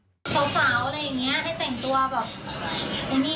ใช่จะได้ไม่มีพวกเต็มมือโรคจิตอย่างนี้เขาเปิดอะไรที่มือแบบนี้